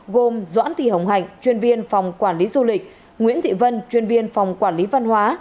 gồm doãn thị hồng hạnh chuyên viên phòng quản lý du lịch nguyễn thị vân chuyên viên phòng quản lý văn hóa